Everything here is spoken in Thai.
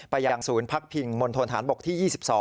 ยังศูนย์พักพิงมณฑนฐานบกที่๒๒